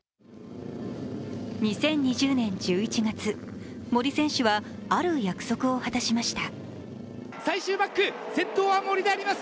２０２０年１１月、森選手はある約束を果たしました。